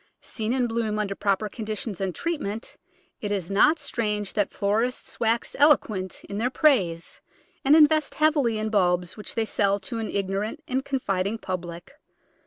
Seen in bloom under proper conditions and treat ment it is not strange that florists wax eloquent in their praise, and invest heavily in bulbs which they sell to an ignorant and confiding public.